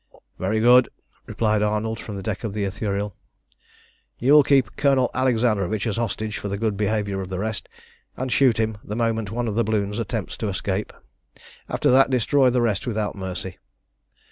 "Very good," replied Arnold from the deck of the Ithuriel. "You will keep Colonel Alexandrovitch as hostage for the good behaviour of the rest, and shoot him the moment one of the balloons attempts to escape. After that destroy the rest without mercy.